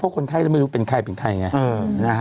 เพราะคนไข้ไม่รู้เป็นใครเป็นใครไง